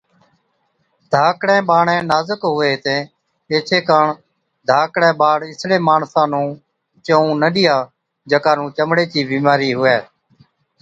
ڌاڪڙين ٻاڙين نازڪ هُوي هِتين ايڇي ڪاڻ ڌاڪڙَي ٻاڙ اِسڙي ماڻسا نُون چوئُون نہ ڏِيا، جڪا نُون چمڙي چِي بِيمارِي هُوَي۔